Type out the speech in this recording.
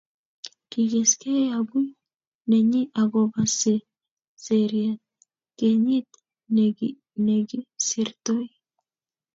Kigeskei agui nenyi agoba seriat kenyit negisirtoi